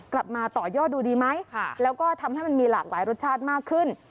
ต่อยอดดูดีไหมแล้วก็ทำให้มันมีหลากหลายรสชาติมากขึ้น